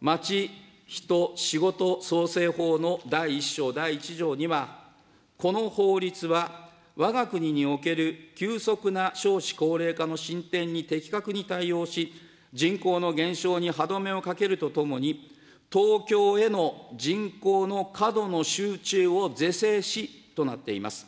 まち・ひと・しごと創生法の第１章第１条には、この法律は、わが国における急速な少子高齢化の進展に的確に対応し、人口の減少に歯止めをかけるとともに、東京への人口の過度の集中を是正し、となっています。